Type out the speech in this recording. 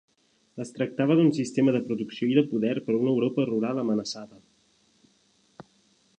Es tractava d'un sistema de producció i de poder per a una Europa rural amenaçada.